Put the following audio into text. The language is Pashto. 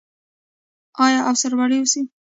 آیا او سرلوړي اوسو؟